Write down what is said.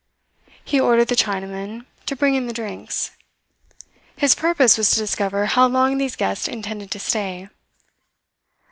He ordered the Chinaman to bring in the drinks. His purpose was to discover how long these guests intended to stay.